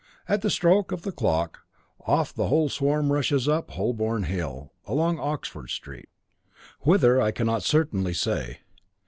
At the stroke of the clock, off the whole swarm rushes up Holborn Hill, along Oxford Street, whither I cannot certainly say.